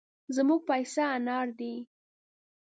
زموږ پيسه انار دي.